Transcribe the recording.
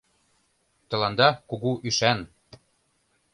Тыланда — кугу ӱшан...»